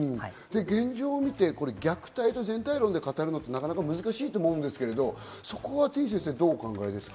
現状を見て、虐待を全体論で語るのは難しいと思うんですけれど、そこは、どうお考えですか？